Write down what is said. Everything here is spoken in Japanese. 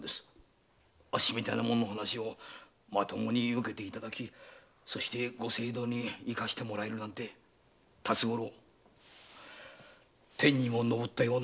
あっしみたいな者の話をまともに受けていただきご政道に活かしてもらえるなんて辰五郎天にも昇ったような心持ちでございます。